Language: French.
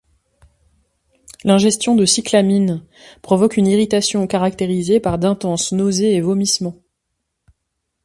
L’ingestion de cyclamine provoque une irritation caractérisée par d’intenses nausées et vomissements.